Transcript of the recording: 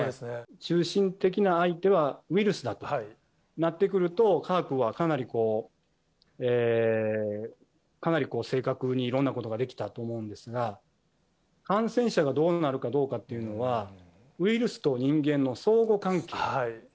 中心的な相手はウイルスだとなってくると、科学はかなり、かなり正確にいろんなことができたと思うんですが、感染者がどうなるかどうかというのは、ウイルスと人間の相互関係。